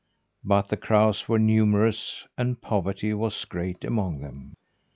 But the crows were numerous, and poverty was great among them.